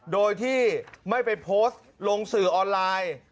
โดยที่ไม่ไปโพสต์ลงสื่อออนไลน์